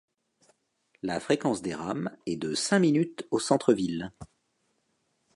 La fréquence des rames est de cinq minutes au centre ville.